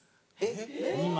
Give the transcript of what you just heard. ２枚。